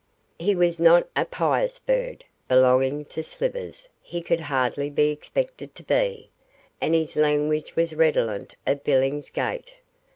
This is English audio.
He was not a pious bird belonging to Slivers, he could hardly be expected to be and his language was redolent of Billingsgate.